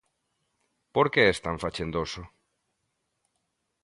¿Por que es tan fachendoso?